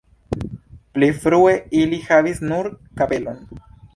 Pli frue ili havis nur kapelon.